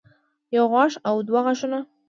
يو غاښ او دوه غاښونه